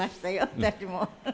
私も。